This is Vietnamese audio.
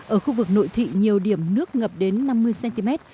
ở khu vực nội thị nhiều điểm nước ngập đến năm mươi cm